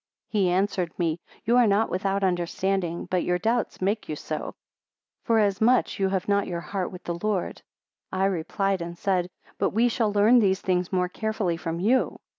116 He answered me, You are not without understanding, but your doubts make you so; for as much as you have not your heart with the Lord. 117 I replied and said, But we shall learn these things more carefully from you.